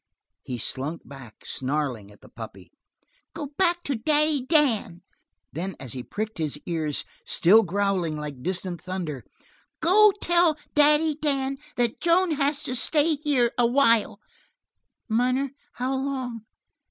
he slunk back, snarling at the puppy. "Go back to Daddy Dan." Then, as he pricked his ears, still growling like distant thunder: "Go tell Daddy Dan that Joan has to stay here a while. Munner, how long?"